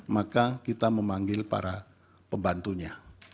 maka kita memanggil para pembantunya